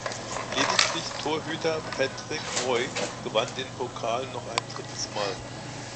Lediglich Torhüter Patrick Roy gewann den Pokal noch ein drittes Mal.